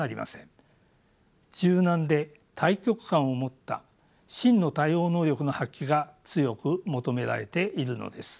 柔軟で大局観を持った真の対応能力の発揮が強く求められているのです。